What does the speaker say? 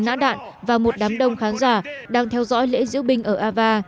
nã đạn và một đám đông khán giả đang theo dõi lễ diễu binh ở ava